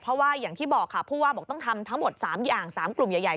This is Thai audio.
เพราะว่าอย่างที่บอกค่ะผู้ว่าบอกต้องทำทั้งหมด๓อย่าง๓กลุ่มใหญ่